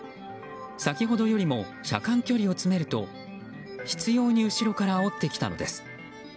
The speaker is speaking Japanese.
先ほどよりも車間距離を詰めると執拗に後ろからあおってきたのです。